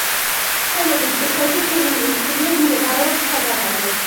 შენობის კუთხეში, ცილინდრის შიგნით, მდებარეობს სადარბაზო.